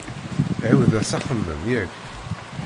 Ɛiwed-as axemmem, yak?